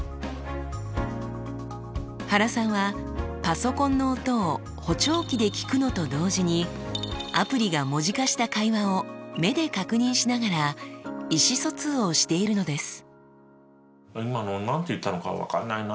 原さんはパソコンの音を補聴器で聞くのと同時にアプリが文字化した会話を目で確認しながら意思疎通をしているのです。